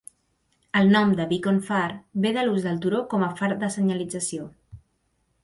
El nom de Beacon, far, ve de l'ús del turó com a far de senyalització.